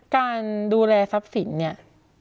การดูแลทรัพย์สินเนี่ย